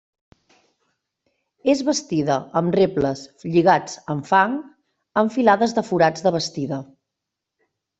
És bastida amb rebles lligats amb fang, amb filades de forats de bastida.